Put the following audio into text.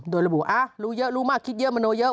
โดยระบุรู้เยอะรู้มากคิดเยอะมโนเยอะ